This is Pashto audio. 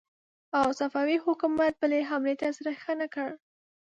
او صفوي حکومت بلې حملې ته زړه ښه نه کړ.